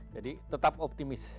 jadi tetap optimis